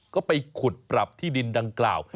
ก็ไปขุดปรับที่ดินดังกล่าว